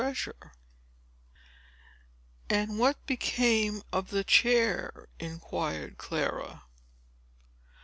Chapter X "And what became of the chair," inquired Clara.